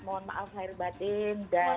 mohon maaf lahir batin